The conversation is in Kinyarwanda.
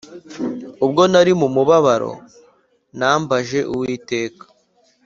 Ubwo nari mu mubabaro nambaje Uwiteka